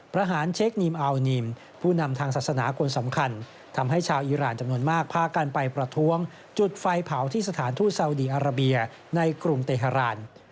ประหารเชคนีมอัลนิมผู้นำทางศาสนาคนสำคัญทำให้ชาวอีรานจำนวนมากพากันไปประท้วงจุดไฟเผาที่สถานทูตซาวดีอาราเบียในกรุงเตฮาราน